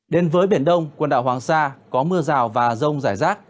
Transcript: đến với biển đông quần đảo hoàng sa có mưa rào và rông rải rác